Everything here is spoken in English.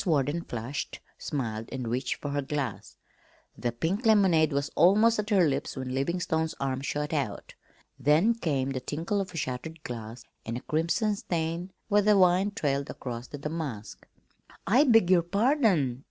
Warden flushed, smiled, and reached for her glass. The pink lemonade was almost at her lips when Livingstone's arm shot out. Then came the tinkle of shattered glass and a crimson stain where the wine trailed across the damask. "I beg your pardon!"